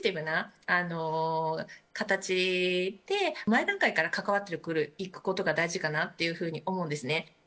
前段階から関わっていくことが大事かなというふうに思うんですね。